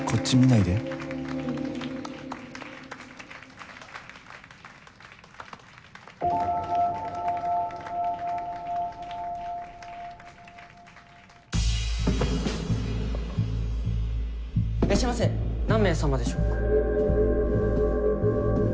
いらっしゃいませ何名様でしょうか。